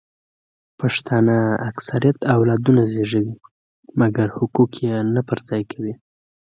پښتانه اکثریت اولادونه زیږوي مګر حقوق یې نه پر ځای کوي